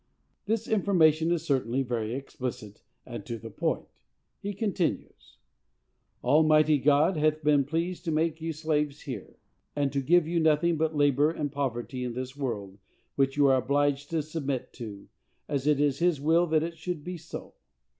This information is certainly very explicit and to the point. He continues: Almighty God hath been pleased to make you slaves here, and to give you nothing but labor and poverty in this world, which you are obliged to submit to, as it is his will that it should be so.